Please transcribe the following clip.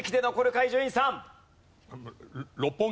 伊集院さん。